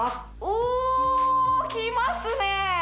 おきますね